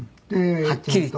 はっきりと」